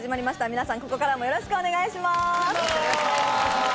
皆さん、午後からもよろしくお願いします。